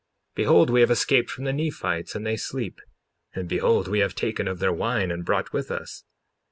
Behold, we have escaped from the Nephites, and they sleep; and behold we have taken of their wine and brought with us.